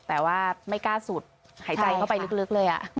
แต่ว่าไม่กล้าสุดหายใจเข้าไปลึกเลย